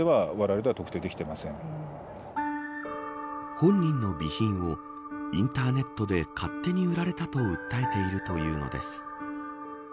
本人の備品をインターネットで勝手に売られたと訴えているというのです。